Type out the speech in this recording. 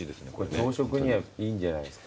朝食にはいいんじゃないですか？